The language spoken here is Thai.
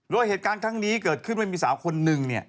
โดยเหตุการณ์ครั้งนี้เกิดขึ้นว่ามีสาวคนนึงเนี่ย